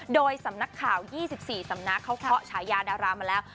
โดยสำนักข่าว๒๔สำนักเขาเคาะฉายาดารามาแล้ว